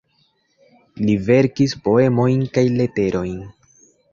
Li verkis poemojn kaj leterojn.